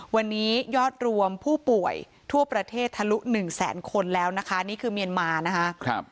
วันนี้ยอดรวมผู้ป่วยทั่วประเทศทะลุ๑แสนคนแล้วนะคะนี่คือเมียนมานะคะ